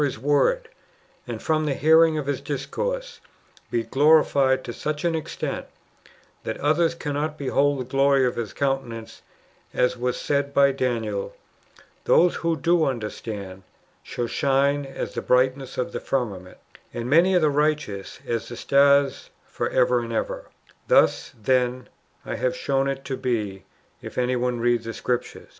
His word, and from the hearing of His discourse be glorified to such an extent, that others cannot behold the glory of his countenance, as was said bj Daniel :" Those who do under stand, shall shine as the brightness of the firmament, and many of the righteous^ as the stars for ever and ever."^ Thus, then, I have shown it to be,'^ if any one read the Scriptures.